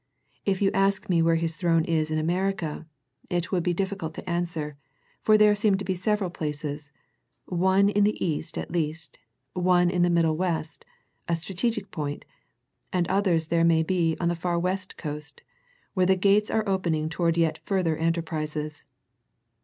If you ask me where his throne is in America, it would be difficult to answer, for there seem to be several places, one in the East at least, one in the middle West, a strategic point, and others there may be on the far West coast, where the gates are opening towards yet fur ther enterprises.